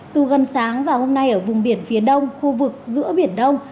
từ gần sáng và hôm nay ở vùng biển phía đông khu vực giữa biển đông